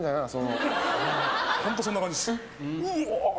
本当にそんな感じです。